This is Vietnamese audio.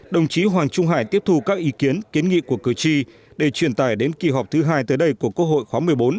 đồng chí hoàng trung hải tiếp thu các ý kiến kiến nghị của cử tri để truyền tải đến kỳ họp thứ hai tới đây của quốc hội khóa một mươi bốn